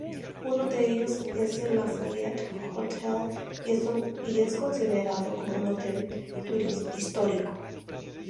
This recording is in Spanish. Uno de ellos es el Lafayette Hotel, y es considerado como un hotel histórico.